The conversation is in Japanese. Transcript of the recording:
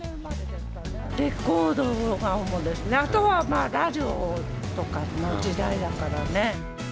レコードが主ですね、あとはまあ、ラジオとかの時代だからね。